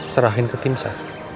serahin ke timsa